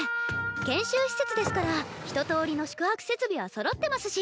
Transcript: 研修施設ですから一とおりの宿泊設備はそろってますし。